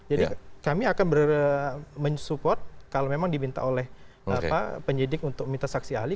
jadi kami akan mensupport kalau memang dibinta oleh penyidik untuk minta saksi ahli